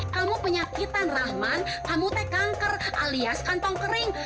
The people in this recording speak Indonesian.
kamu penyakitan rahman kamu teh kanker alias kantong kering